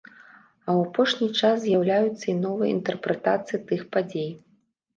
А ў апошні час з'яўляюцца і новыя інтэрпрэтацыі тых падзей.